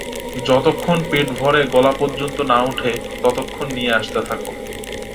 যতক্ষণ পেট ভরে গলা পর্যন্ত না উঠে ততক্ষণ নিয়ে আসতে থাকো।